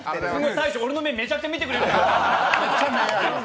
大将、俺の目、めちゃくちゃ見てくれる。